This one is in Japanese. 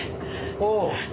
ああ！